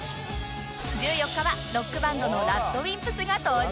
１４日はロックバンドの ＲＡＤＷＩＭＰＳ が登場！